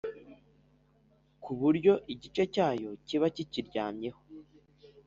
ku buryo igice cyayo kiba kikiryamyeho